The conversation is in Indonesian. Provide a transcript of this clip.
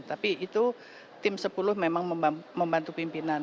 tapi itu tim sepuluh memang membantu pimpinan